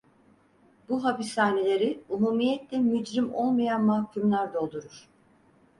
Bu hapishaneleri umumiyetle mücrim olmayan mahkûmlar doldurur.